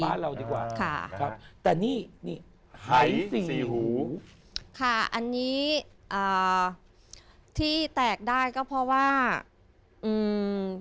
ป๊าเราดีกว่าขารับแต่นี่หาย๔ภูค่ะอันนี้เธอแตกได้ก็เพราะว่าอืม